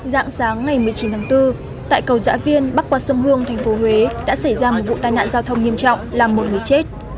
dạng sáng ngày một mươi chín tháng bốn tại cầu giã viên bắc qua sông hương tp huế đã xảy ra một vụ tai nạn giao thông nghiêm trọng làm một người chết